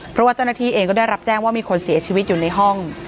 เพราะว่าเจ้าหน้าที่เองก็ได้รับแจ้งว่ามีคนเสียชีวิตอยู่ในห้อง